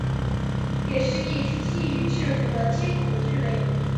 也是一批基于字符的接口的基类。